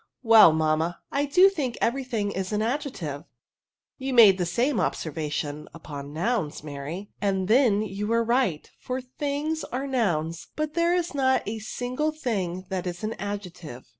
Well, mamma, I do think every thing is an ad jective." *' You made the same observation upon nouns, Mary, and then you were right ; for things are nouns \ but there is not a single thing that is an adjective."